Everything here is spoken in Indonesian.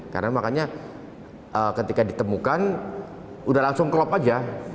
karena makanya ketika ditemukan sudah langsung klop saja